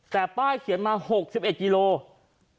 แต่ป้ายเขียนมา๖๑กิโลกรัม